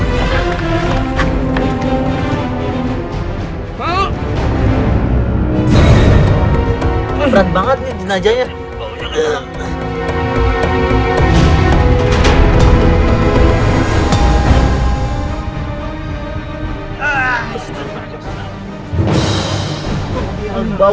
berat banget ini jenajahnya